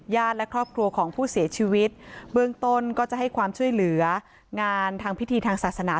และครอบครัวของผู้เสียชีวิตเบื้องต้นก็จะให้ความช่วยเหลืองานทางพิธีทางศาสนา